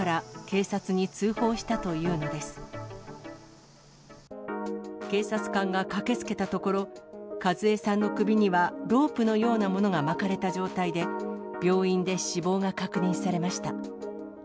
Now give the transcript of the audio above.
警察官が駆けつけたところ、数江さんの首にはロープのようなものが巻かれた状態で、病院で死亡が確認されました。